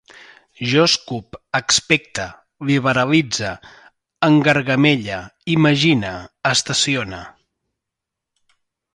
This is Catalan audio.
Jo escup, expecte, liberalitze, engargamelle, imagine, estacione